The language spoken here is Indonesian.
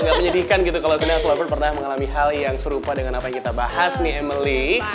gak sulit kan gitu kalau sebenarnya ex lover pernah mengalami hal yang serupa dengan apa yang kita bahas nih emily